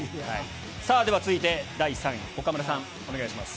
では続いて、第３位、岡村さん、お願いします。